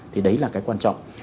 thì đấy là cái quan trọng